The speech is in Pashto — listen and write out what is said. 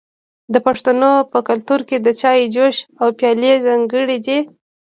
د پښتنو په کلتور کې د چای جوش او پیالې ځانګړي دي.